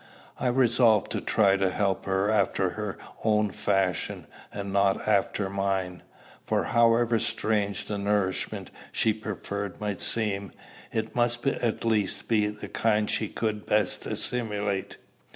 I resolved to try to help her after her own fashion, and not after mine; for, however strange the nourishment she preferred might seem, it must at least be of the kind she could best assimilate.